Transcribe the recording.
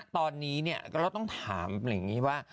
ตอนนี้เนี่ยก็เราต้องถามอย่างงี้ว่า